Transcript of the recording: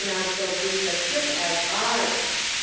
on so brief a trip as ours